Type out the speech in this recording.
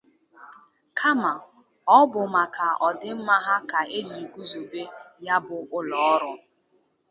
kama na ọ bụ maka ọdịmma ha ka e jiri guzobe ya bụ ụlọọrụ